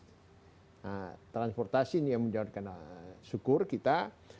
nah transportasi ini yang menjawabkan syukur kita